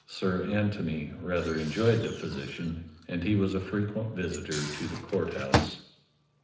Sir Antony rather enjoyed the physician, and he was a frequent visitor to the Court House.